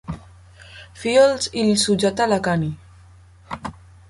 Fields i Sujata Lakhani.